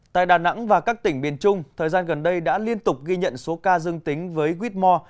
tại đà nẵng và các tỉnh biển trung thời gian gần đây đã liên tục ghi nhận số ca dương tính với quýt mò